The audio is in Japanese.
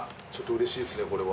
うれしいですねこれは。